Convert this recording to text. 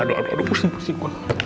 aduh aduh aduh pusing pusing